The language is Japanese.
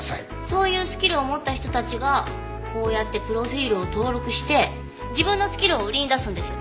そういうスキルを持った人たちがこうやってプロフィルを登録して自分のスキルを売りに出すんです。